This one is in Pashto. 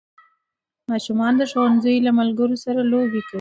ماشومان د ښوونځي له ملګرو سره لوبې کوي